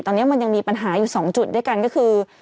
ตอนนี้มันยังมีปัญหาอยู่๒จุดด้วยกันก็คือ